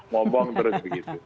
ngomong terus begitu